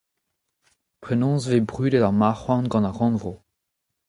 Penaos e vez brudet ar marcʼh-houarn gant ar Rannvro ?